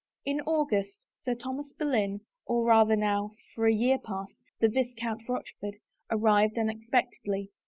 In August Sir Thomas Boleyn, or rather now, for a year past, the Viscoimt Rochford, arrived unexpectedly.